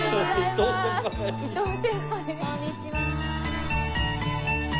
こんにちは。